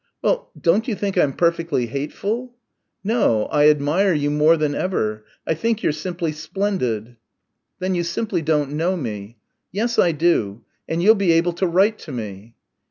"Well don't you think I'm perfectly hateful?" "No. I admire you more than ever. I think you're simply splendid." "Then you simply don't know me." "Yes I do. And you'll be able to write to me."